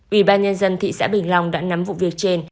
ủy ban nhân dân thị xã bình long đã nắm vụ việc trên